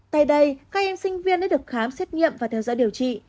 tại đây các em sinh viên đã được khám xét nghiệm và theo dõi điều trị